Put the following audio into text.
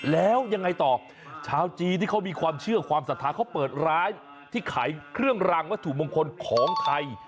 แล้วยังไงต่อชาวจีนที่เขามีความเชื่อความศรัทธาเขาเปิดร้านที่ขายเครื่องรางวัตถุมงคลของไทย